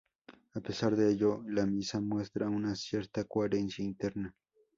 A pesar de ello, la misa muestra una cierta coherencia interna.